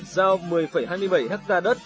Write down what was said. giao một mươi hai mươi bảy ha đất